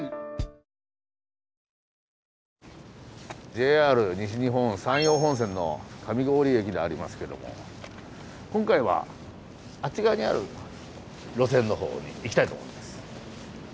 ＪＲ西日本山陽本線の上郡駅でありますけども今回はあっち側にある路線のほうに行きたいと思います。